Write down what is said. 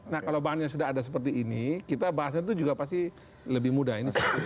nah kalau bahannya sudah ada seperti ini kita bahasnya itu juga pasti lebih mudah